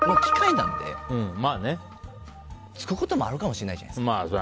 なんでつくこともあるかもしれないじゃないですか。